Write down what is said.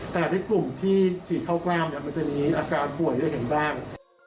แต่กลุ่มที่ฉีดเข้ากล้ามมันจะมีอาการป่วยได้เห็นบ้าง